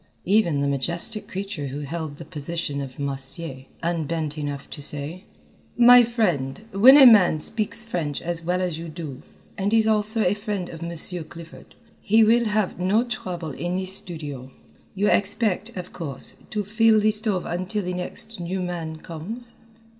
Even the majestic creature who held the position of Massier, unbent enough to say: "My friend, when a man speaks French as well as you do, and is also a friend of Monsieur Clifford, he will have no trouble in this studio. You expect, of course, to fill the stove until the next new man comes?"